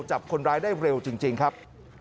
จับคนร้ายได้เร็วจริงครับ